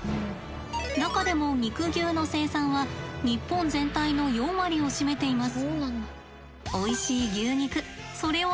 中でも肉牛の生産は日本全体の４割を占めています。